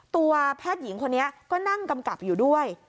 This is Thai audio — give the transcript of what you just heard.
ตัวแพทย์หญิงคนนี้ก็นั่งกำกับอยู่ด้วย